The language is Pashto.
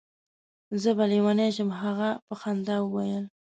زه به لېونی شم. هغه په خندا وویل.